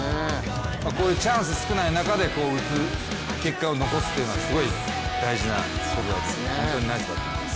こういうチャンス少ない中で打つ結果を残すというのはすごい大事なことだと思います。